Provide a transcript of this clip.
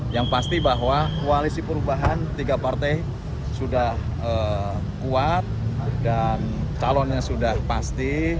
yang pasti bahwa koalisi perubahan tiga partai sudah kuat dan calonnya sudah pasti